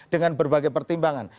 dengan berbagai pertimbangan